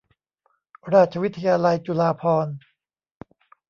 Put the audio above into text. ราชวิทยาลัยจุฬาภรณ์